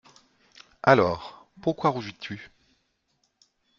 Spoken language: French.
Alors, pourquoi rougis-tu ?